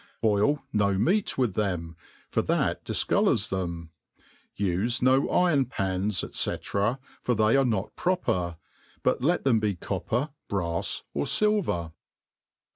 Boil no meat with then^, M that' difcolours them. Ufe no iron pans, Sec, for they are not proper ^ but let them be copper, brafs, or filver.